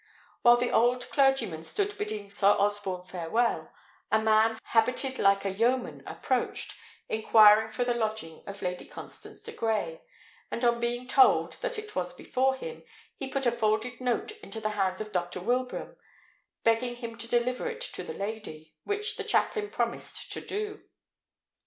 While the old clergyman stood bidding Sir Osborne farewell, a man habited like a yeoman approached, inquiring for the lodging of Lady Constance de Grey; and on being told that it was before him, he put a folded note into the hands of Dr. Wilbraham, begging him to deliver it to the lady, which the chaplain promised to do.